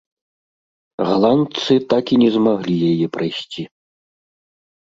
Галандцы так і не змаглі яе прайсці.